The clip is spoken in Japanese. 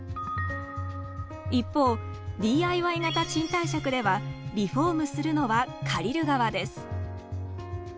一方ＤＩＹ型賃貸借ではリフォームするのは借りる側です。